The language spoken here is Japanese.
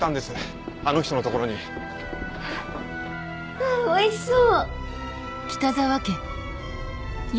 わぁおいしそう！